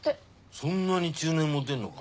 そんなに中年モテるのか？